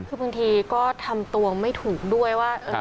คือบางทีก็ทำตัวไม่ถูกด้วยว่า